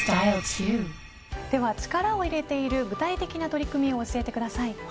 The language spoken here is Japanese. では力を入れている具体的な取り組みを教えてください。